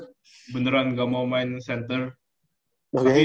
tapi semua tim yang saya main mereka paksa saya main center jadi saya kayak sedikit